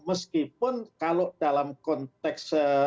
meskipun kalau dalam konteks